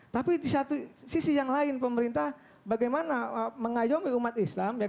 tapi di satu sisi yang lain pemerintah bagaimana mengayomi umat islam